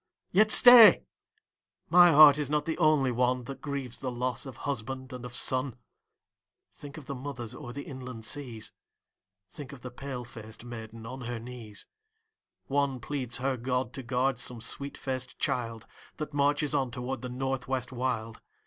Yet stay, my heart is not the only one That grieves the loss of husband and of son; Think of the mothers o'er the inland seas; Think of the pale faced maiden on her knees; One pleads her God to guard some sweet faced child That marches on toward the North West wild.